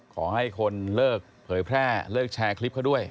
ขอให้คนเลิกเผยแพร่เลิกแชร์คลิปเขาด้วย